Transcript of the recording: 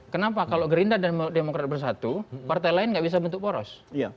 kenapa kalau gerindra dan demokrat bersatu partai lain gak bisa bentuk poros